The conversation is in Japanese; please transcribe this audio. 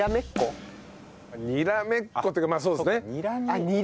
ニラめっこというかまあそうですね。